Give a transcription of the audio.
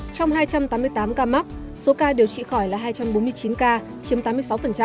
trong hai trăm tám mươi tám ca mắc số ca điều trị khỏi là hai trăm bốn mươi chín ca chiếm tám mươi sáu